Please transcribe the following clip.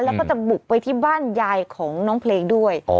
แล้วก็จะบุกไปที่บ้านยายของน้องเพลงด้วย